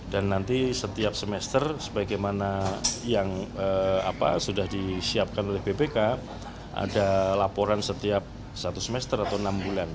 dan nanti setiap semester sebagaimana yang sudah disiapkan oleh bpk ada laporan setiap satu semester atau enam bulan